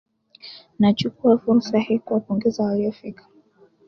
Nachukua fursa hii kuwapongeza waliofika